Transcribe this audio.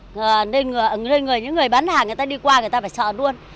nên những người bán hàng người ta đi qua người ta phải sợ luôn